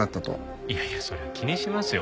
いやいやそりゃ気にしますよ。